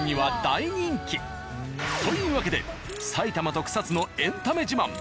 というわけで埼玉と草津のエンタメ自慢。